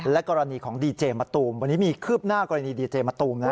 กรณีของดีเจมะตูมวันนี้มีคืบหน้ากรณีดีเจมะตูมนะ